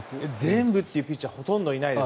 全部というピッチャーはほとんどいないです。